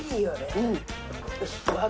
うん。